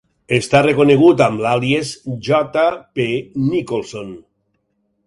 Està reconegut amb l'àlies "J. P. Nicholson".